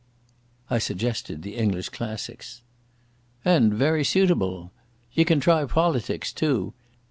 I suggested the English classics. "And very suitable. Ye can try poalitics, too.